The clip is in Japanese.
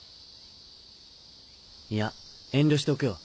いや遠慮しとくよ。